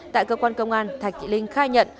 tại cơ quan công an thạch thị linh khai nhận